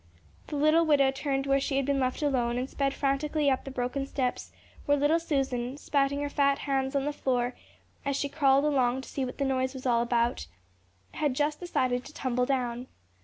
The little widow turned where she had been left alone and sped frantically up to the broken steps, where little Susan, spatting her fat hands on the floor as she crawled along to see what the noise was all about, had just decided to tumble down.